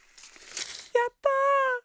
やった！